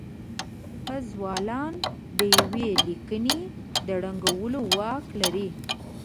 پازوالان د يوې ليکنې د ړنګولو واک لري.